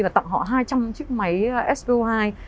và tặng họ hai trăm linh chiếc máy so hai